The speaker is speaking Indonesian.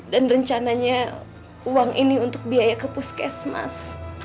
dan rencananya uang ini untuk biaya ke puskes mas